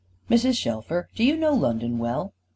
"Mrs. Shelfer, do you know London well?"